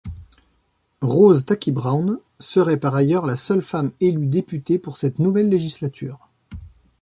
Rose Taki-Brown serait par ailleurs la seule femme élue députée pour cette nouvelle législature.